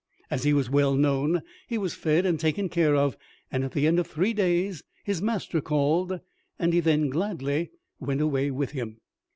As he was well known, he was fed and taken care of, and at the end of three days his master called, and he then gladly went away with him.